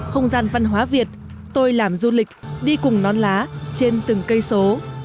không gian văn hóa việt tôi làm du lịch đi cùng nón lá trên từng cây số